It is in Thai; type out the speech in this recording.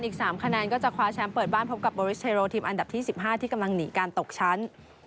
อีก๓คะแนนก็จะคว้าแชมป์เปิดบ้านพบกับโบริสเทโรทีมอันดับที่๑๕ที่กำลังหนีการตกชั้น